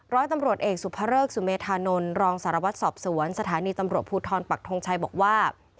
ร้อยตำรวจเอกสุภเริกสุเมธานนท์รองสารวัตรสอบสวนสถานีตำรวจภูทรปักทงชัยบอกว่า